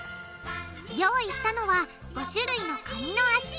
用意したのは５種類のカニの脚。